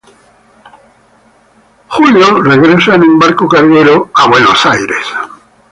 Benson regresan en un barco carguero a Estados Unidos.